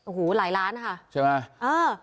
โอ้โหหลายล้านนะคะใช่ไหม